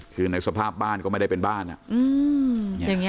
คือในสภาพบ้านก็ไม่ได้เป็นบ้านอ่ะ